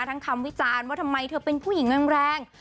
คำวิจารณ์ว่าทำไมเธอเป็นผู้หญิงแรง